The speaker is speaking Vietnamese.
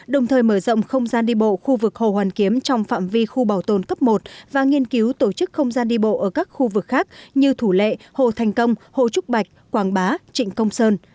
đồng thời mở rộng không gian đi bộ khu vực hồ hoàn kiếm trong phạm vi khu bảo tồn cấp một và nghiên cứu tổ chức không gian đi bộ ở các khu vực khác như thủ lệ hồ thành công hồ trúc bạch quảng bá trịnh công sơn